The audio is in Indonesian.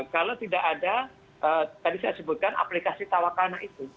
kalau tidak ada tadi saya sebutkan aplikasi tawakana itu